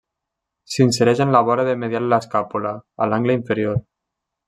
S'insereix en la vora de medial l'escàpula, a l'angle inferior.